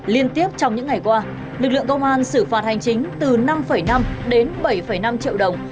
liên tiếp trong những ngày qua lực lượng công an xử phạt hành chính từ năm năm đến bảy năm triệu đồng